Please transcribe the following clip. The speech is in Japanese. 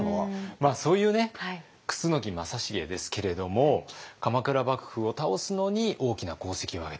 そういうね楠木正成ですけれども鎌倉幕府を倒すのに大きな功績を挙げた。